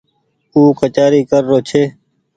او ڪچآري ڪر رو ڇي۔